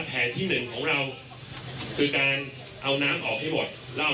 แผนที่หนึ่งของเราคือการเอาน้ำออกให้หมดแล้วเอา